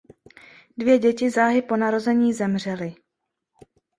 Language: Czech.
Dvě děti záhy po narození zemřely.